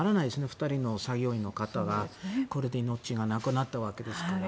２人の作業員の方がこれで命がなくなったわけですから。